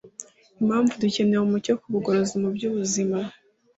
impamvu dukeneye umucyo ku bugorozi mu by'ubuzima